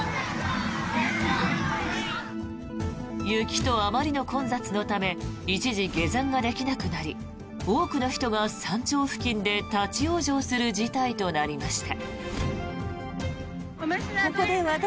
雪とあまりの混雑のため一時、下山ができなくなり多くの人が山頂付近で立ち往生する事態となりました。